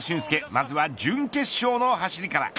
まずは準決勝の走りから。